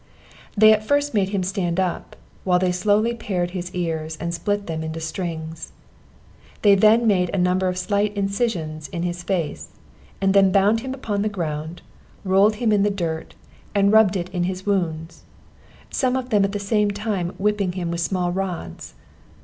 They at first made him stand up, while they slowly pared his ears and split them into strings; they then made a number of slight incisions in his face; and then bound him upon the ground, rolled him in the dirt, and rubbed it in his wounds: some of them at the same time whipping him with small rods!